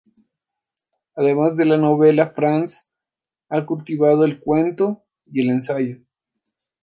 Además de la novela Franz ha cultivado el cuento y el ensayo.